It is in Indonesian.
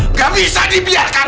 nggak bisa dibiarkan